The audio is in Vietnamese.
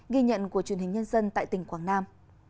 ghi nhận của truyền hình nhân dân tại tỉnh quảng nam